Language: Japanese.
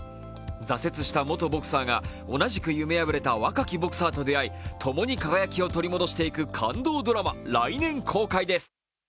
挫折した元ボクサーが同じく夢破れた若きボクサーと出会い共に輝きを取り戻していく感動ドラマ、来年公開です。